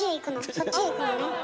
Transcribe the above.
そっちへ行くのね？